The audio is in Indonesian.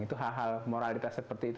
itu hal hal moralitas seperti itu